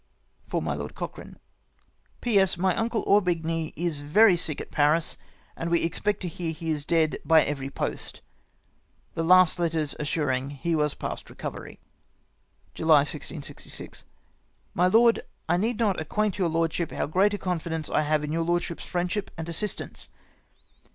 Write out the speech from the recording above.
"For my Lord Cocliraue." " P.S.— My uncle Aubigny is very sick at Paris, and we expect to hear he is dead by every post, — the last letters as suring that he was past recovery." "July 1666. " My Lord, — I need not acquai^it yorn lordship how great a confidence I have of your lordship's friendship and assist ance.